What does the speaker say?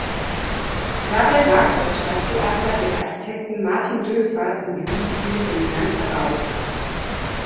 Dabei ragt das Stadttheater des Architekten Martin Dülfer im Jugendstil dominant heraus.